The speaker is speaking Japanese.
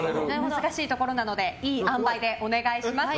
難しいところなのでいい塩梅でお願いします。